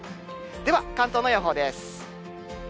では、関東の予報です。